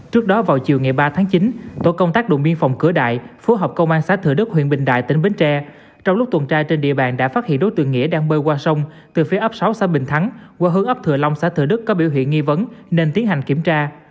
trước đó vào chiều ngày ba tháng chín tổ công tác đụng biên phòng cửa đại phối hợp công an xã thừa đức huyện bình đại tỉnh bến tre trong lúc tuần tra trên địa bàn đã phát hiện đối tượng nghĩa đang bơi qua sông từ phía ấp sáu xã bình thắng qua hướng ấp thừa long xã thừa đức có biểu hiện nghi vấn nên tiến hành kiểm tra